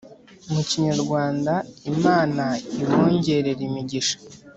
mukinyarwanda, imana ibongerere Imigisha